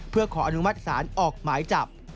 เพื่อขออนุมัติศาลออกหมายจับ